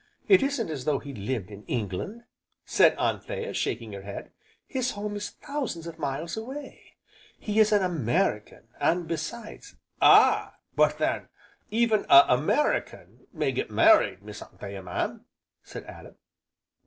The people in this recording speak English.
It isn't as though he lived in England," said Anthea, shaking her head, "his home is thousands of miles away, he is an American, and besides " "Ah! but then even a American may get married. Miss Anthea, mam!" said Adam.